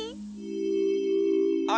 あれ？